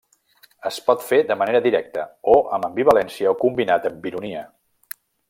Es pot fer de manera directa, o amb ambivalència o combinat amb ironia.